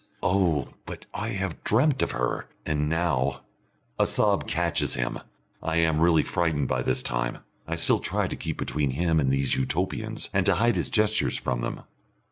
Oh, but I have dreamt of her! And now " A sob catches him. I am really frightened by this time. I still try to keep between him and these Utopians, and to hide his gestures from them.